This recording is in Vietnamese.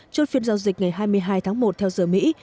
chốt phiên giao dịch ngày hai mươi hai tháng một theo giờ mỹ